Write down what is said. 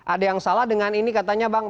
ada yang salah dengan ini katanya bang